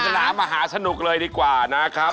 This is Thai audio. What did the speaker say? สนามมหาสนุกเลยดีกว่านะครับ